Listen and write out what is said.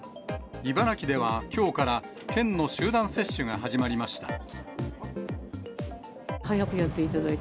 茨城ではきょうから県の集団接種が始まりました。